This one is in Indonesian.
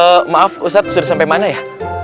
maaf ustadz sudah sampai mana ya